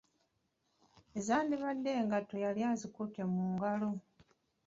Ezandibadde engatto yali azikutte mu ngalo.